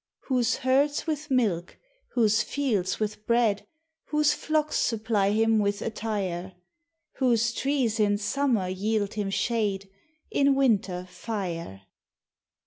Whose herds with milk, whose fields with bread, Whose Hocks supply him with attire; Whose trees in summer yield him shade, In winter, lire.